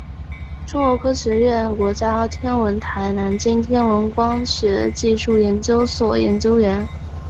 中国科学院国家天文台南京天文光学技术研究所研究员。